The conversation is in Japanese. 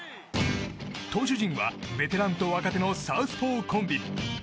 投手陣はベテランと若手のサウスポーコンビ。